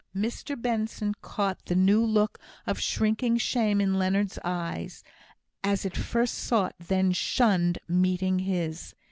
Mr Benson caught the new look of shrinking shame in Leonard's eye, as it first sought, then shunned, meeting his.